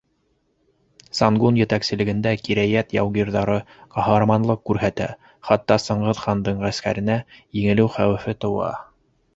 Сангун етәкселегендә кирәйәт яугирҙары ҡаһарманлыҡ күрһәтә, хатта Сыңғыҙ хандың ғәскәренә еңелеү хәүефе тыуа.